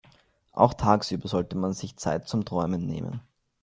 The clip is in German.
Auch tagsüber sollte man sich Zeit zum Träumen nehmen.